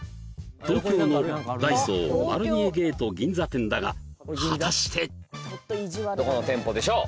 東京のダイソーマロニエゲート銀座店だが果たしてどこの店舗でしょう？